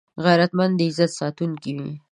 غیرتمند د عزت ساتونکی وي